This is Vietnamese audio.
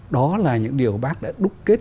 đó là những điều bác đã đúc kết